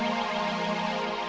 gila ini udah berhasil